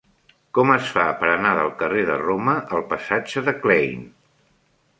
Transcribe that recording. Com es fa per anar del carrer de Roma al passatge de Klein?